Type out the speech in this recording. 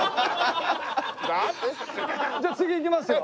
じゃあ次行きますよ。